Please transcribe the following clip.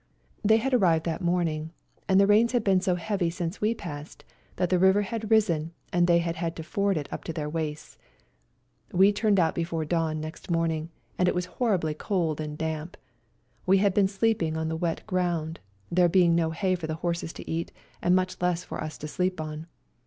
They had arrived that morning, and the rains had been so heavy since we passed that the river had risen and they had had to ford it up to their waists. We turned out before dawn next morning, and it was horribly cold and damp ; we had been sleeping on the wet ground, there being no hay for the horses to eat, and much less for us to sleep on.